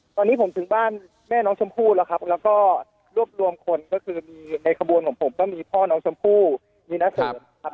ตอนนี้ผมถึงบ้านแม่น้องชมพู่แล้วครับแล้วก็รวบรวมคนก็คือมีในขบวนของผมก็มีพ่อน้องชมพู่มีนักเสริมครับ